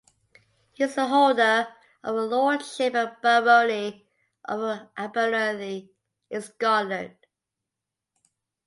He is the holder of the Lordship and Barony of Abernethy in Scotland.